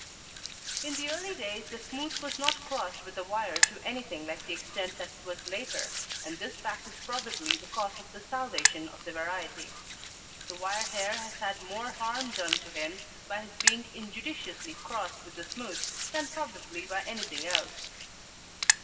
In the early days the smooth was not crossed with the wire to anything like the extent that it was later, and this fact is probably the cause of the salvation of the variety. The wire hair has had more harm done to him by his being injudiciously crossed with the smooth than probably by anything else.